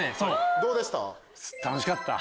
どうでした？